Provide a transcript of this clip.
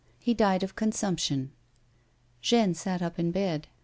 He died of consumption." Jeanne sat up in bed.